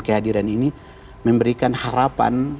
kehadiran ini memberikan harapan